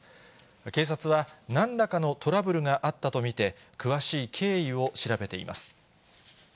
警察はなんらかのトラブルがあったと見て、詳しい経緯を調べています。